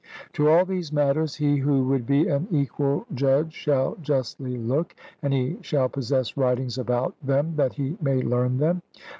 To all these matters he who would be an equal judge shall justly look, and he shall possess writings about them that he may learn them.